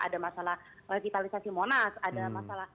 ada masalah revitalisasi monas ada masalah